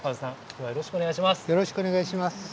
よろしくお願いします。